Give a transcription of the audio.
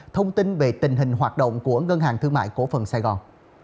thông tin về tình hình hoạt động của ngân hàng thương mại cổ phần sài gòn